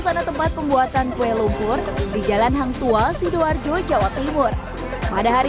sana tempat pembuatan kue lumpur di jalan hangtual sidoarjo jawa timur pada hari